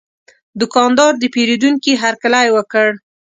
دوکاندار د پیرودونکي هرکلی وکړ.